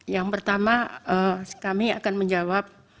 yang pertama kami akan menjawab